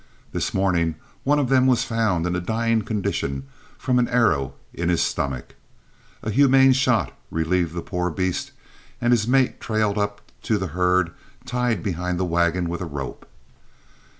This morning one of them was found in a dying condition from an arrow in his stomach. A humane shot had relieved the poor beast, and his mate trailed up to the herd, tied behind the wagon with a rope.